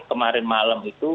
kemarin malam itu